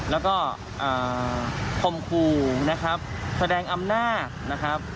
แล้วก็คมคู่นะครับแสดงอำนาจนะครับ